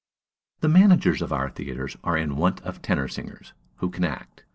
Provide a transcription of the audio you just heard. The managers of our theatres are in want of tenor singers who can act.